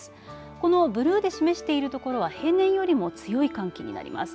このブルーで示しているところは平年よりも強い寒気になります。